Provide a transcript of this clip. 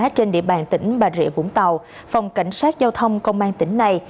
trên địa bàn tỉnh bà rịa vũng tàu phòng cảnh sát giao thông công an tỉnh này